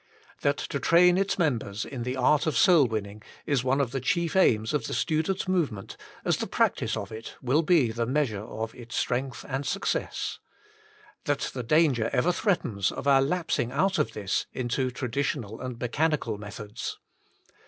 That to train its members in the art of soul win ning is one of the chief aims of the Student Move ment, as the practice of it will be the measure of its strength and success. That the danger ever threatens of our lapsing out of this into tradi tional and mechanical methods.